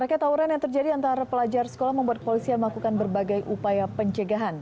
pada saat itu polisi menemukan gir besi dan sebilangan